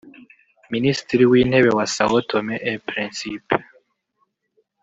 Minisitiri w’Intebe wa São Tomé et Príncipe